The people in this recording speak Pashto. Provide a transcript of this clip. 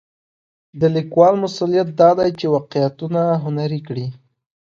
د لیکوال مسوولیت دا دی چې واقعیتونه هنري کړي.